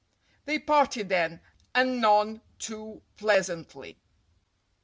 They parted then—and none too pleasantly.